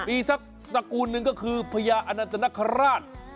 มีสักตระกูลหนึ่งก็คือพญาอนันตนคราช